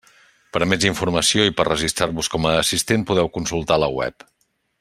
Per a més informació i per registrar-vos com a assistent podeu consultar la web.